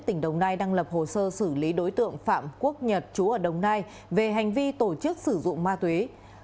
tỉnh đồng nai đang lập hồ sơ xử lý đối tượng phạm quốc nhật chú ở đồng nai về hành vi tổ chức sử dụng ma túy